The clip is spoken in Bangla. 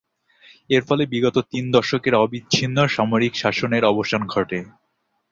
এর ফলে বিগত তিন দশকের অবিচ্ছিন্ন সামরিক শাসনের অবসান ঘটে।